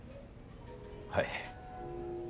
はい。